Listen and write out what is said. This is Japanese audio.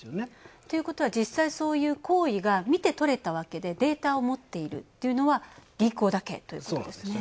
ということは、実際、そういう行為が見てとれたわけでデータを持っているというのは銀行だけということなんですね。